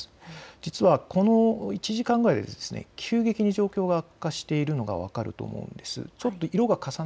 実はこの１時間ぐらいで急激に状況が悪化しているのが分かると思うんです。